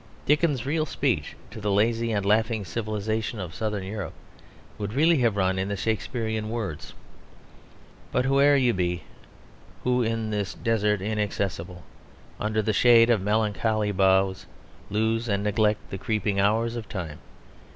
Dickens's real speech to the lazy and laughing civilisation of Southern Europe would really have run in the Shakespearian words: but whoe'er you be Who in this desert inaccessible, Under the shade of melancholy boughs Lose and neglect the creeping hours of time.